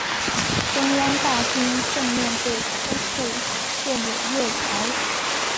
中央大厅正面对出处建有月台。